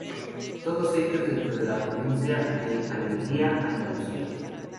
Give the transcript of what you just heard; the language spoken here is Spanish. Todos ellos dentro de la provincia de Almería, Andalucía.